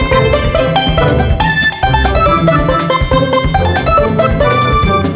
kemana tuh bos